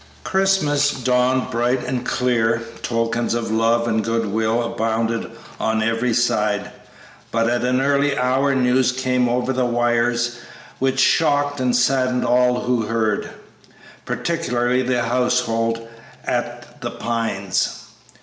Christmas dawned bright and clear; tokens of love and good will abounded on every side, but at an early hour news came over the wires which shocked and saddened all who heard, particularly the household at The Pines.